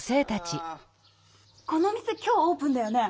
・この店今日オープンだよね。